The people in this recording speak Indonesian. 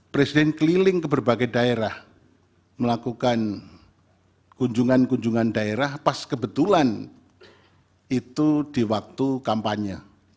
presiden keliling ke berbagai daerah melakukan kunjungan kunjungan daerah pas kebetulan itu di waktu kampanye